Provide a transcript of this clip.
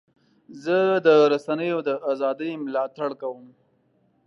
زه د رسنیو د ازادۍ ملاتړ کوم.